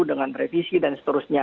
dengan revisi dan seterusnya